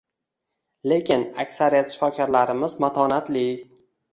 Lekin aksariyat shifokorlarimiz matonatli